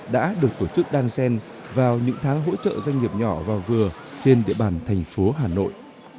đã được tổ chức đan sen vào những tháng hỗ trợ doanh nghiệp nhỏ và vừa trên địa bàn thành phố hà nội